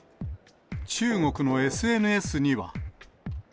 中国のＳＮＳには。